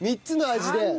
３つの味で！